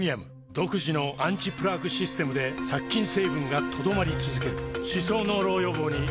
独自のアンチプラークシステムで殺菌成分が留まり続ける歯槽膿漏予防にプレミアム